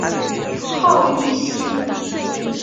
号玉溪。